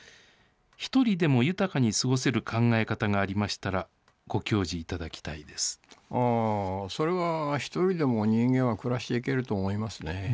１人でも豊かに過ごせる考え方がありましたら、ご教示いただきたそれは１人でも人間は暮らしていけると思いますね。